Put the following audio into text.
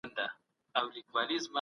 په سوسیالیزم کي شخصي ملکیت نسته.